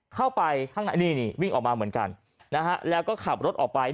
เข้าไปนี่วิ่งออกมาเหมือนกันแล้วก็ขับรถออกไป